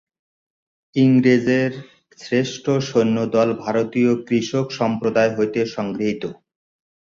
ইংরেজের শ্রেষ্ঠ সৈন্যদল ভারতীয় কৃষক-সম্প্রদায় হইতে সংগৃহীত।